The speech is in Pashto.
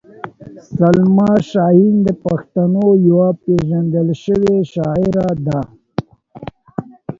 سلما شاهین د پښتنو یوه پېژندل شوې شاعره ده.